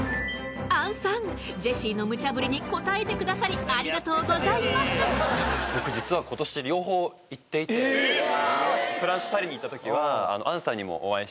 杏さんジェシーのむちゃぶりに応えてくださりありがとうございますえっ！